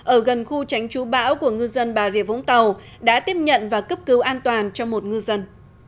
ở gần khu tránh chú bão của ngư dân bà rịa vũng tàu đã tiếp nhận và cấp cứu an toàn cho một ngư dân